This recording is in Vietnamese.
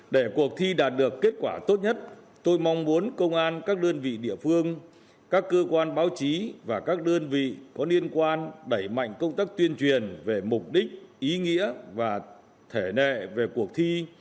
để cuộc thi đạt được kết quả tốt nhất tôi mong muốn công an các đơn vị địa phương các cơ quan báo chí và các đơn vị có liên quan đẩy mạnh công tác tuyên truyền về mục đích ý nghĩa và thể nệ về cuộc thi